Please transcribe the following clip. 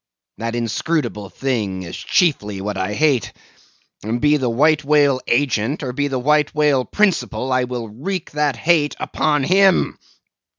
That inscrutable thing is chiefly what I hate; and be the white whale agent, or be the white whale principal, I will wreak that hate upon him.